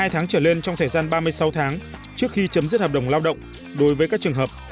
hai tháng trở lên trong thời gian ba mươi sáu tháng trước khi chấm dứt hợp đồng lao động đối với các trường hợp